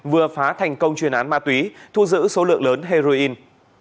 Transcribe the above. vừa phá thành công chuyên án ma túy thu giữ số lượng lớn heroin